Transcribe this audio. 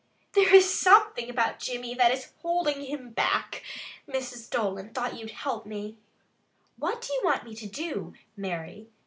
"There is something about Jimmy that is holding him back. Mrs. Dolan thought you'd help me." "What do you want me to do, Mary?"